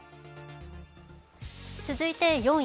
続いて４位。